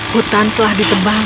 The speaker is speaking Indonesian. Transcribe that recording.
hutan telah ditebang